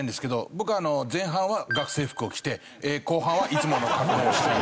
僕前半は学生服を着て後半はいつもの格好をしている。